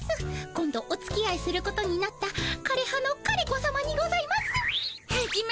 今度おつきあいすることになった枯れ葉の枯れ子さまにございます。